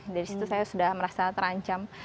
dari situ saya sudah merasa terancam